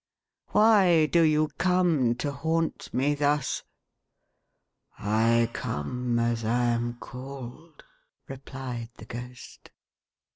" Why do you come, to haunt me thus ?"" I come as I am called," replied the Ghost.